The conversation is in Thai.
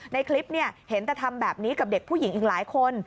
ในคลิปเห็นแต่ทำแบบนี้กับเด็กผู้หญิงอีกหลายคน